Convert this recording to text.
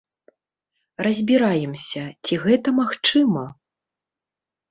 Разбіраемся, ці гэта магчыма?